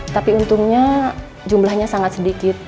tapi untungnya jumlahnya sangat sedikit